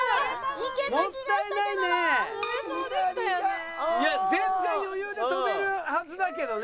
いや全然余裕で跳べるはずだけどね。